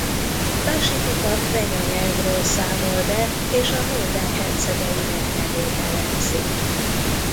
Másikuk a quenya nyelvről számol be és a noldák hercegeinek nevét elemzi.